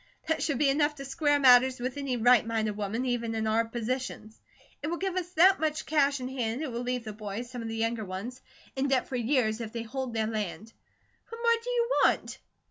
That should be enough to square matters with any right minded woman, even in our positions. It will give us that much cash in hand, it will leave the boys, some of the younger ones, in debt for years, if they hold their land. What more do you want?"